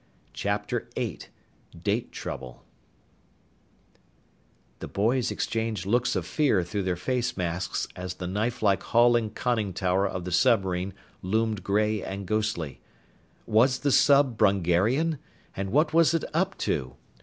CHAPTER VIII DATE TROUBLE The boys exchanged looks of fear through their face masks as the knifelike hull and conning tower of the submarine loomed gray and ghostly. Was the sub Brungarian? And what was it up to?